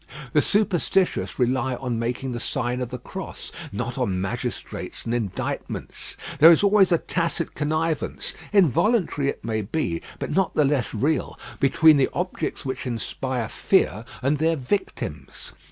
The superstitious rely on making the sign of the cross; not on magistrates and indictments. There is always a tacit connivance, involuntary it may be, but not the less real, between the objects which inspire fear and their victims.